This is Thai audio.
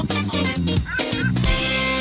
สวัสดีค่ะ